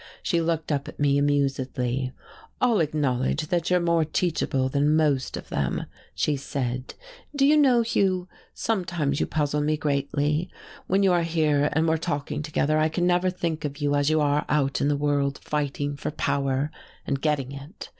She looked up at me amusedly. "I'll acknowledge that you're more teachable than most of them," she said. "Do you know, Hugh, sometimes you puzzle me greatly. When you are here and we're talking together I can never think of you as you are out in the world, fighting for power and getting it.